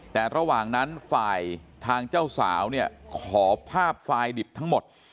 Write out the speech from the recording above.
แต่ระหว่างนั้นฝ่ายทางเจ้าสาวเนี่ยขอภาพไฟล์ดิบทั้งหมด